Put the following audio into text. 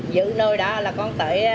giữ nồi đó là con tới